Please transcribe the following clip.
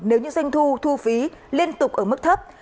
nếu như doanh thu thu phí liên tục ở mức thấp